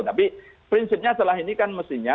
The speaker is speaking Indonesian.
tapi prinsipnya setelah ini kan mestinya